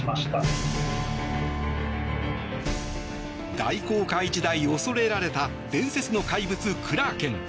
大航海時代、恐れられた伝説の怪物クラーケン。